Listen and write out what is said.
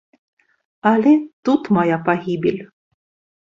Але тут мая пагібель.